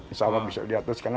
insya allah bisa diatur